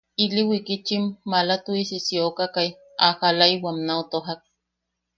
Ili wikitchim maala tuʼisi siokakai a jalaʼiwam nau tojak.